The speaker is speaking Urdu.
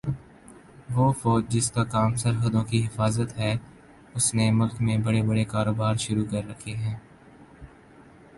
وہ فوج جس کا کام سرحدوں کی حفاظت ہے اس نے ملک میں بڑے بڑے کاروبار شروع کر رکھے ہیں